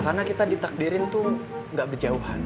karena kita ditakdirin tuh gak berjauhan